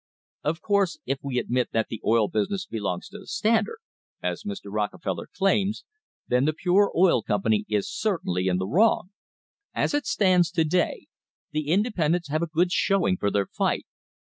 Of course, if we admit that the oil business belongs to the Standard, as Mr. Rockefeller claims, then the Pure Oil Company is certainly in the wrong! As it stands to day, the independents have a good showing for their fight.